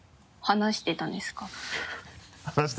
話してたんですか？